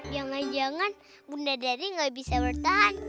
jangan jangan bunda dari nggak bisa bertahan